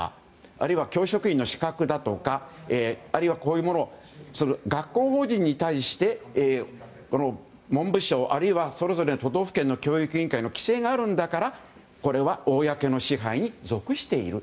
あるいは教職員の資格だとか学校法人に対して文部省、あるいはそれぞれの都道府県の教育委員会の規制があるんだからこれは公の支配に属している。